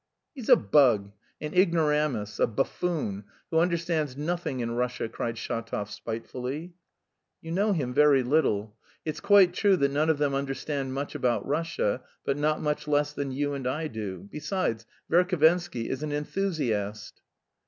"He's a bug, an ignoramus, a buffoon, who understands nothing in Russia!" cried Shatov spitefully. "You know him very little. It's quite true that none of them understand much about Russia, but not much less than you and I do. Besides, Verhovensky is an enthusiast."